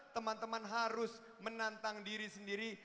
teman teman harus menantang diri sendiri